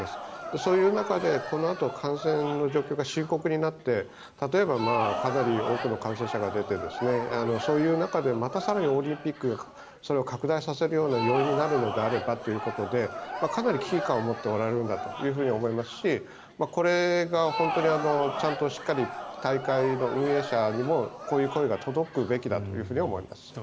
そういう中でこのあと感染の状況が深刻になって例えばかなり多くの感染者が出てそういう中でまた更にオリンピックがそれが拡大させるような要因になるのであればということでかなり危機感を持っておられるんだと思いますしこれが本当にちゃんとしっかり大会の運営者にもこういう声が届くべきだと思います。